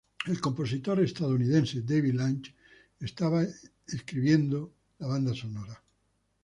El compositor estadounidense David Lang está escribiendo la banda sonora.